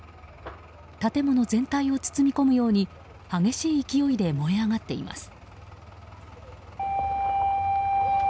建物全体を包み込むように激しい勢いで燃え上がっています。